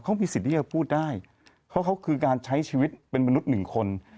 เขามีสิทธิ์ที่จะพูดได้เพราะเขาคือการใช้ชีวิตเป็นมนุษย์หนึ่งคน